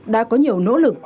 đã có nhiều nỗ lực